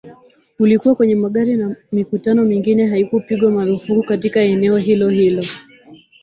ulikuwa kwenye magari na mikutano mingine haikupigwa marufuku katika eneo hilohilo